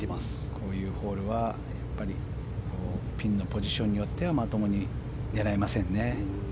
こういうホールはピンのポジションによってはまともに狙えませんね。